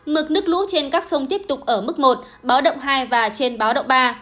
mực nước lũ trên các sông tiếp tục ở mức một báo động hai và trên báo động ba